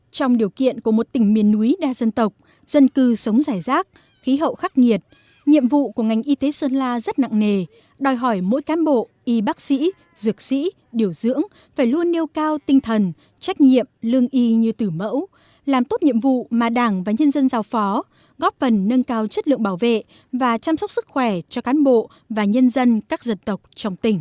trong điều kiện của một tỉnh miền núi đa dân tộc dân cư sống rải rác khí hậu khắc nghiệt nhiệm vụ của ngành y tế sơn la rất nặng nề đòi hỏi mỗi cán bộ y bác sĩ dược sĩ điều dưỡng phải luôn nêu cao tinh thần trách nhiệm lương y như tử mẫu làm tốt nhiệm vụ mà đảng và nhân dân giao phó góp phần nâng cao chất lượng bảo vệ và chăm sóc sức khỏe cho cán bộ và nhân dân các dân tộc trong tỉnh